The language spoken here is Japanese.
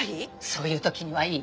そういう時にはいい？